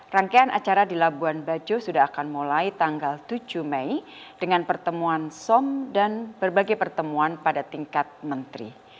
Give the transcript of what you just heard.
rangkaian acara di labuan bajo sudah akan mulai tanggal tujuh mei dengan pertemuan som dan berbagai pertemuan pada tingkat menteri